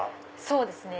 そうですね。